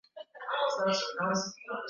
ni john gomley kiongozi wa chama cha green